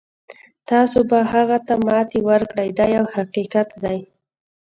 تاسو به هغه ته ماتې ورکړئ دا یو حقیقت دی.